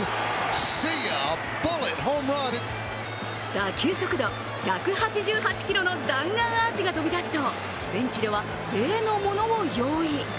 打球速度１８８キロの弾丸アーチが飛び出すと、ベンチでは例のものを用意。